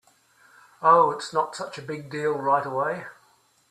Oh, it’s not such a big deal right away.